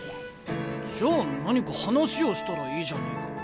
じゃあ何か話をしたらいいじゃねえか。